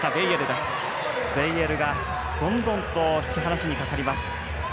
ベイエルがどんどんと引き離しにかかります。